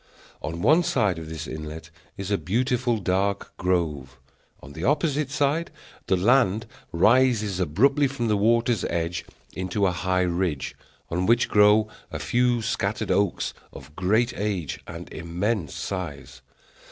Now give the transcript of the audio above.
On one side of this inlet is a beautiful dark grove; on the opposite side the land rises abruptly from the water's edge into a high ridge, on which grow a few scattered oaks of great age and immense size.